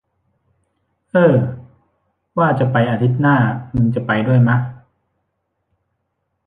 เอ้อ ว่าจะไปอาทิตย์หน้า มึงจะไปด้วยมะ